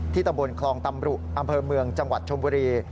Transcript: ตำบลคลองตำรุอำเภอเมืองจังหวัดชมบุรี